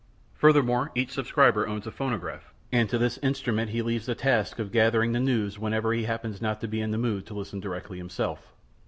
Furthermore, each subscriber owns a phonograph, and to this instrument he leaves the task of gathering the news whenever he happens not to be in a mood to listen directly himself.